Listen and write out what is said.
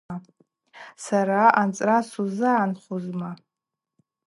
Сара анцӏра сузыгӏанхузма.